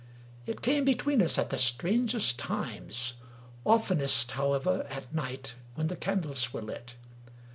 It came between us at the strangest times — oftenest, how ever, at night, when the candles were lit.